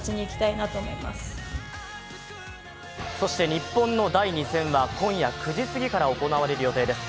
日本の第２戦は今夜９時過ぎから行われる予定です。